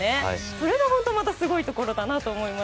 それが本当にすごいことだと思います。